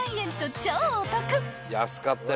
安かったよ